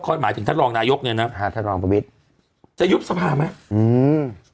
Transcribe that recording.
หมายถึงท่านรองนายกเนี่ยนะหาท่านรองประวิทย์จะยุบสภาไหมอืม